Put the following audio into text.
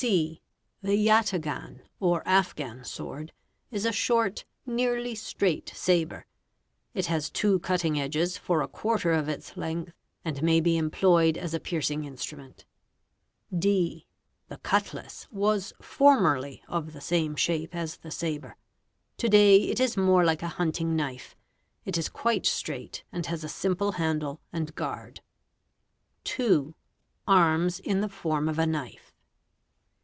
' (c) The yataghan or Afghan sword is a short, nearly straight sabre. Lt as two cutting edges for a quarter of its length and may be employed | 'a piercing instrument. , (a) The cutlass was formerly of the same shape as the sabre. To / it is more like a hunting knife; it is quite straight and has a simple dle and guard. Bah AST URI i ABI EE ao 444 WEAPONS ig 2. Arms in the form of a knife.